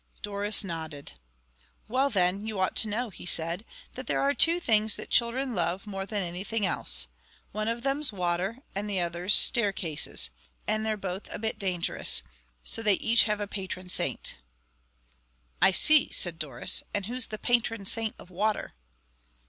Doris nodded. "Well, then, you ought to know," he said, "that there are two things that children love more than anything else. One of them's water and the other's staircases. And they're both a bit dangerous. So they each have a patron saint." "I see," said Doris. "And who's the patron saint of water?"